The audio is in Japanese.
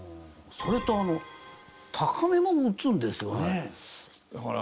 それとあの高めも打つんですよね。